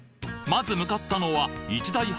まず向かったのは一大